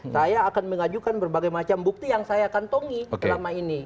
saya akan mengajukan berbagai macam bukti yang saya kantongi selama ini